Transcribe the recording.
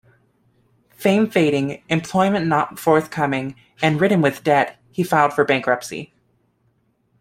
Fame fading, employment not forthcoming, and ridden with debt, he filed for bankruptcy.